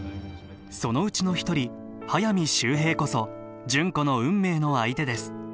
そのうちの一人速水秀平こそ純子の運命の相手です